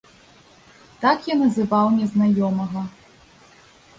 Так я называў незнаёмага.